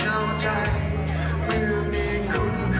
อยากจะมีแค่คุณเพียงคุณเดียว